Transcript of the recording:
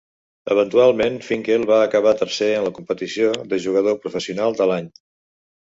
Eventualment Finkel va acabar tercer en la competició de Jugador Professional de l'Any.